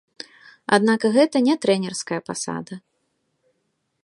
Аднак гэта не трэнерская пасада.